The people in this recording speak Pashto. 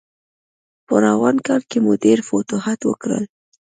په راروان کال کې مو ډېر فتوحات وکړل.